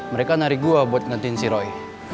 mereka narik gue buat ngantin si roy